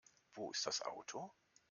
Wo ist das Auto?